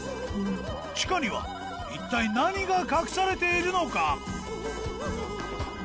地下には一体何が隠されているのか？